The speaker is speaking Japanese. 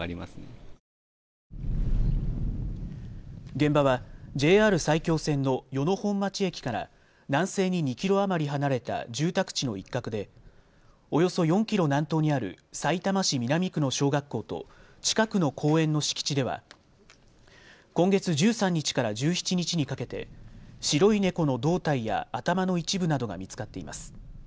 現場はＪＲ埼京線の与野本町駅から南西に２キロ余り離れた住宅地の一角でおよそ４キロ南東にあるさいたま市南区の小学校と近くの公園の敷地では今月１３日から１７日にかけて白い猫の胴体や頭の一部などが見つかっています。